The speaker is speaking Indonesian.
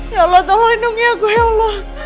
ya allah tolong lindungi aku ya allah